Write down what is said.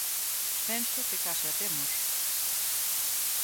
Penso que case a temos.